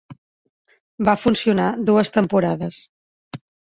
Va funcionar dues temporades.